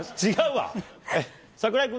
違うわ。